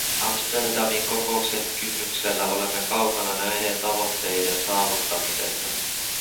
Amsterdamin kokouksen kynnyksellä olemme kaukana näiden tavoitteiden saavuttamisesta.